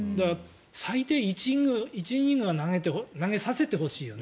最低１イニングは投げさせてほしいよね。